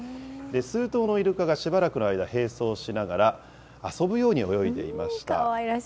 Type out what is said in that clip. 数頭のイルカがしばらくの間、並走しながら、遊ぶように泳いでいました。